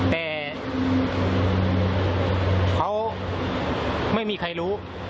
แต่เขาไม่มีใครรู้